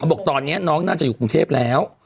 บอกตอนนี้น้องน่าจะอยู่กรุงเทพแล้ว